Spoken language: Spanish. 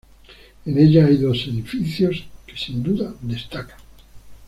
En ella hay dos edificios que sin duda destacan.